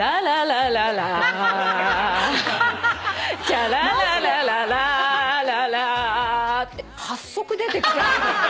「チャラララララーララー」って８足出てきた。